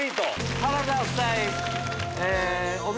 原田夫妻。